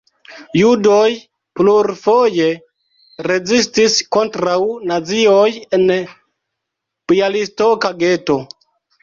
Judoj plurfoje rezistis kontraŭ nazioj en bjalistoka geto.